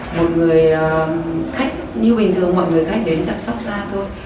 một người khách như bình thường mọi người khách đến chăm sóc da thôi